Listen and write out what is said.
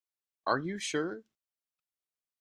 Are you sure?